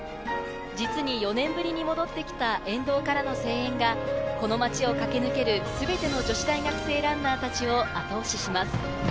実に４年ぶりに戻ってきた沿道からの声援がこの街を駆け抜ける全ての女子大学生ランナーたちを後押しします。